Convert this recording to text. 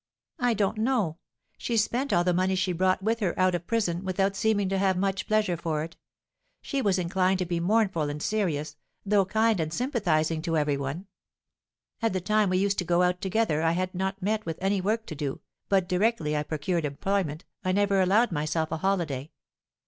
"I don't know. She spent all the money she brought with her out of prison, without seeming to have much pleasure for it; she was inclined to be mournful and serious, though kind and sympathising to every one. At the time we used to go out together I had not met with any work to do, but directly I procured employment, I never allowed myself a holiday.